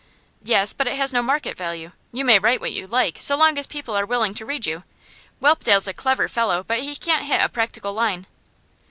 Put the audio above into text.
'Yes, but it has no market value. You may write what you like, so long as people are willing to read you. Whelpdale's a clever fellow, but he can't hit a practical line.